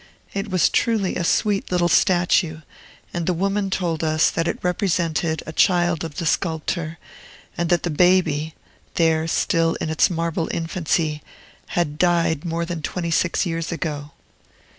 It was truly a sweet little statue; and the woman told us that it represented a child of the sculptor, and that the baby (here still in its marble infancy) had died more than twenty six years ago.